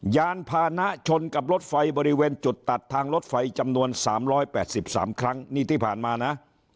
ยานพานะชนกับรถไฟบริเวณจุดตัดทางรถไฟจำนวน๓๘๓ครั้งนี่ที่ผ่านมานะ